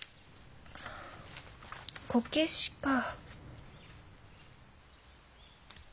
「こけし」か。